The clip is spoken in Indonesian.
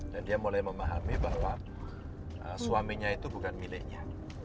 dan dia mulai memahami bahwa suaminya itu bukan miliknya